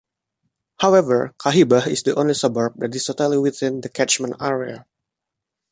However, Kahibah is the only suburb that is totally within the catchment area.